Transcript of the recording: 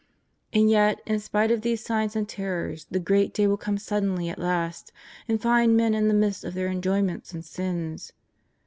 And yet, in spite of these signs and terrors, the Great Day will come suddenly at last and find men in the midst of their enjo;^Tnents and sins.